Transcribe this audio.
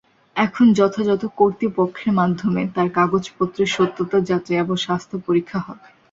এখন যথাযথ কর্তৃপক্ষের মাধ্যমে তার কাগজপত্রের সত্যতা যাচাই এবং স্বাস্থ্য পরীক্ষা হবে।